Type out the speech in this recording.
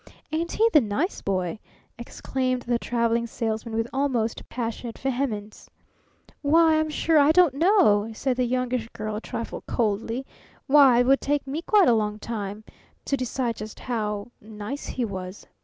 "Ain't he the nice boy!" exclaimed the Traveling Salesman with almost passionate vehemence. "Why, I'm sure I don't know!" said the Youngish Girl a trifle coldly. "Why it would take me quite a long time to decide just how nice he was.